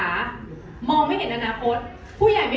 อ๋อแต่มีอีกอย่างนึงค่ะ